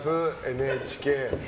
ＮＨＫ。